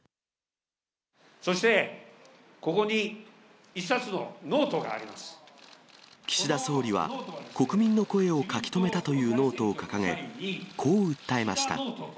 そして、岸田総理は、国民の声を書き留めたというノートを掲げ、こう訴えました。